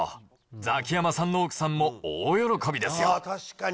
ザキヤマさんの奥さんも大喜びですよ。